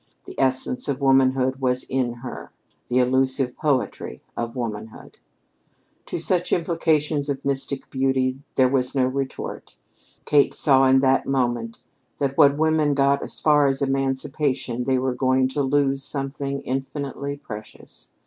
The essence of womanhood was in her the elusive poetry of womanhood. To such implications of mystic beauty there was no retort. Kate saw in that moment that when women got as far as emancipation they were going to lose something infinitely precious.